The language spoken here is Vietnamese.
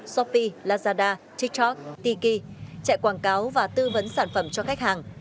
shopee lazada tiktok tiki chạy quảng cáo và tư vấn sản phẩm cho khách hàng